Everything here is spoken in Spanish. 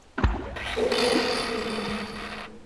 Berlin: Springer.